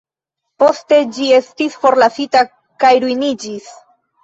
Poste ĝi estis forlasita kaj ruiniĝis.